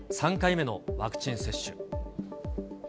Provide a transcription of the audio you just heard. ３回目のワクチン接種。